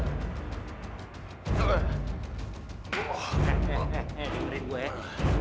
eh eh eh ingerin gue ya